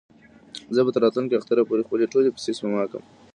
زه به تر راتلونکي اختر پورې خپلې ټولې پېسې سپما کړم.